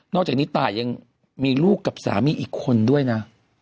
อกจากนี้ตายยังมีลูกกับสามีอีกคนด้วยนะ